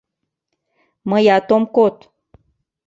— Мыят ом код...